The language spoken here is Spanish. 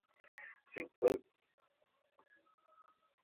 Se encontraba en un popular hotel El Casino de la Selva.